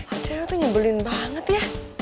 adriana tuh nyebelin banget ya